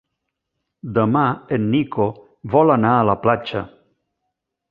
Demà en Nico vol anar a la platja.